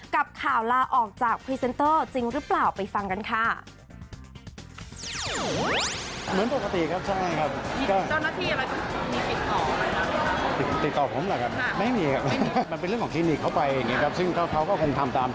กับข่าวลาออกจากพรีเซนเตอร์จริงหรือเปล่าไปฟังกันค่ะ